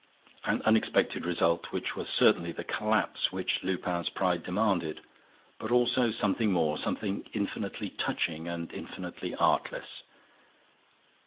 An unexpected result, which was certainly the collapse which Lupin's pride demanded, but also something more, something infinitely touching and infinitely artless.